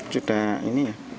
sudah terbiasa ya